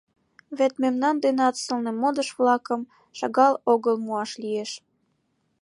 Вет мемнан денат сылне модыш-влакым шагал огыл муаш лиеш.